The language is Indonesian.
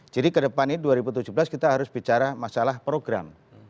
jadi kedepan ini dua ribu tujuh belas kita harus bicara masalah program